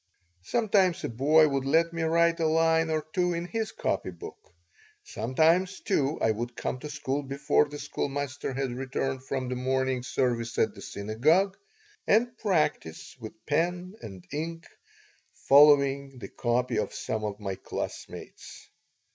Sometimes a boy would let me write a line or two in his copy book. Sometimes, too, I would come to school before the schoolmaster had returned from the morning service at the synagogue, and practise with pen and ink, following the copy of some of my classmates.